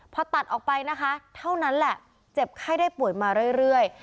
พอตัดออกไปนะคะเท่านั้นแหละเจ็บไข้ได้ป่วยมาเรื่อย